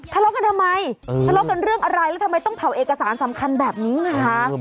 ทะเลาะกันทำไมทะเลาะกันเรื่องอะไรแล้วทำไมต้องเผาเอกสารสำคัญแบบนี้ไงคะ